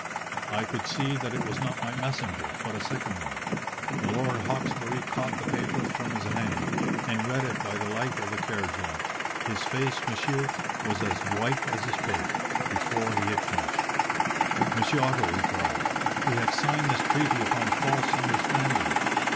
"I could see that it was not my messenger, but a second one. Milord Hawkesbury caught the paper from his hand, and read it by the light of the carriage lamp. His face, monsieur, was as white as this plate, before he had finished. "'Monsieur Otto,' he cried, 'we have signed this treaty upon a false understanding.